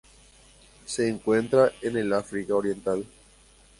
Se encuentra en el África oriental.